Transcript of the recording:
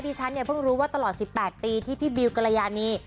ฉันเนี่ยเพิ่งรู้ว่าตลอด๑๘ปีที่พี่บิวกรยานี